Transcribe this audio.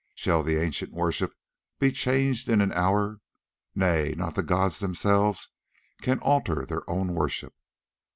Shall the ancient worship be changed in an hour? Nay, not the gods themselves can alter their own worship.